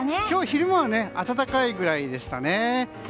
今日昼間は暖かいぐらいでしたね。